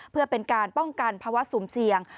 เพื่อเป็นการป้องกันภาวะสุ่มเสี่ยง